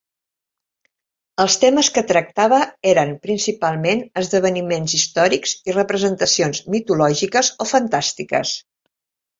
Els temes que tractava eren principalment esdeveniments històrics i representacions mitològiques o fantàstiques.